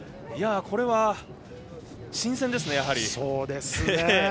これは新鮮ですね、やはり。